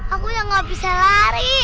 aku sudah tidak bisa lari